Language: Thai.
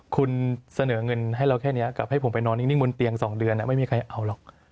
คุณเสนอเงินให้เราแค่นี้กับให้ผมไปนอนนิ่งบนเตียง๒เดือนไม่มีใครเอาหรอก